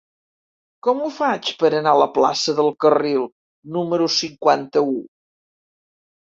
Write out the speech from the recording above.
Com ho faig per anar a la plaça del Carril número cinquanta-u?